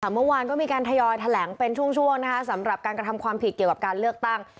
เมื่อวานก็มีการทยอยแถลงเป็นช่วงสำหรับการกระทำความผิดเกี่ยวกับการเลือกตั้ง